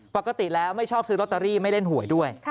ปกติแล้วไม่ชอบซื้อลอตเตอรี่ไม่เล่นหวยด้วย